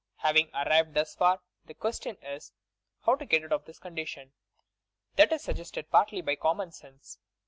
Having arrived thos far, the question is: how to get out of tliis condition. That is suggested partly by coramou sense.